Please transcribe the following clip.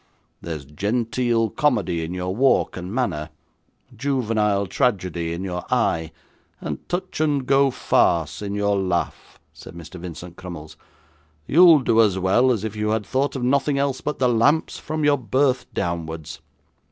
'There's genteel comedy in your walk and manner, juvenile tragedy in your eye, and touch and go farce in your laugh,' said Mr. Vincent Crummles. 'You'll do as well as if you had thought of nothing else but the lamps, from your birth downwards.